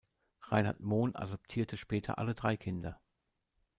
Reinhard Mohn adoptierte später alle drei Kinder.